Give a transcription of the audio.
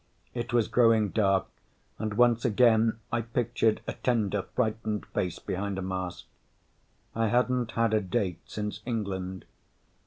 It was growing dark and once again I pictured a tender, frightened face behind a mask. I hadn't had a date since England.